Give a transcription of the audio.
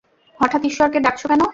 হঠাৎ ঈশ্বরকে ডাকছো কেন?